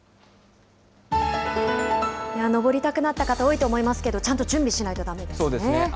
登りたくなった方、多いと思いますけど、ちゃんと準備しないそうですね。